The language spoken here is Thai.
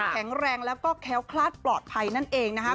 แข็งแรงและแคล้วคลาดปลอดภัยนั่นเองนะครับ